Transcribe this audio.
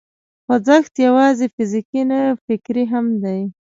خوځښت یوازې فزیکي نه، فکري هم دی.